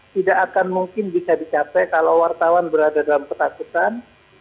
tidak akan mungkin bisa dicapai kalau wartawan berada dalam ketakutan